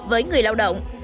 với người lao động